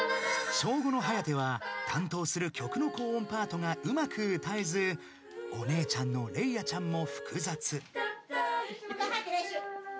［小５のはやては担当する曲の高音パートがうまく歌えずお姉ちゃんのれいあちゃんも複雑］